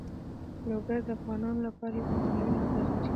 لوگر د افغانانو لپاره په معنوي لحاظ ارزښت لري.